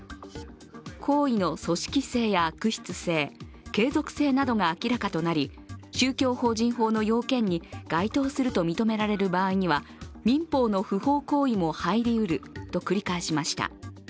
行為の組織性や悪質性、継続性などが明らかとなり、宗教法人法の要件に該当すると認められる場合には民法の不法行為も入りうると繰り返しました。